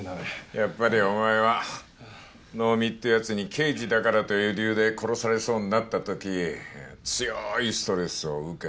やっぱりお前は能見って奴に刑事だからという理由で殺されそうになった時強いストレスを受けた。